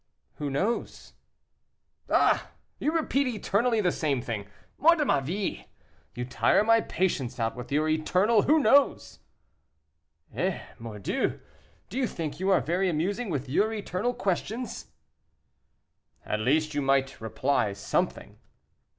"Who knows?" "Ah, you repeat eternally the same thing; mort de ma vie! you tire my patience out with your eternal 'Who knows?'" "Eh! mordieu! do you think you are very amusing with your eternal questions?" "At least you might reply something."